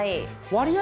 割合